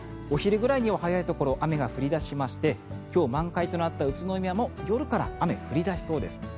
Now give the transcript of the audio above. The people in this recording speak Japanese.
お昼くらいには早いところ雨が降り出しまして今日、満開となった宇都宮も夜から雨が降り出しそうです。